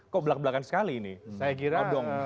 kok belak belakan sekali ini saya kira dong